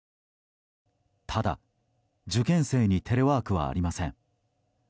ただ、受験生にテレワークはありません。